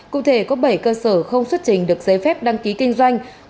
cụ thể có bảy cơ sở không xuất trình được giấy phép đăng ký kinh doanh